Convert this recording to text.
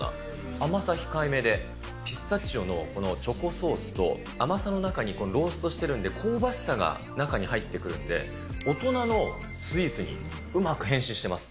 甘さ控えめで、ピスタチオのこのチョコソースと、甘さの中に、ローストしてるんで、香ばしさが中に入ってくるんで、大人のスイーツにうまく変身しています。